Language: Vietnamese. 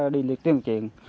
đi tuyên truyền